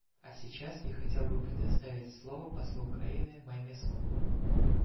А сейчас я хотел бы предоставить слово послу Украины Маймескулу.